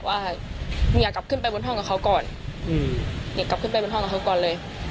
ว่าเมียกลับขึ้นไปบนห้องกับเขาก่อนอยากกลับขึ้นไปบนห้องกับเขาก่อนเลย